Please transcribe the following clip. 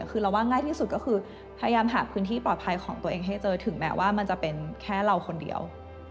คือเราว่าง่ายที่สุดก็คือพยายามหาพื้นที่ปลอดภัยของตัวเองให้เจอถึงแม้ว่ามันจะเป็นแค่เราคนเดียว